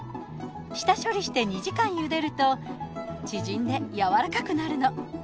下処理して２時間ゆでると縮んでやわらかくなるの。